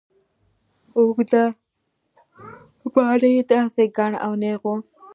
اوږده باڼه يې داسې گڼ او نېغ وو.